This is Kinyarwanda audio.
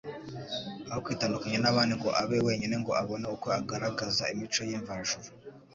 Aho kwitandukanya n'abandi ngo abe wenyine ngo abone uko agaragaza imico Ye mvajuru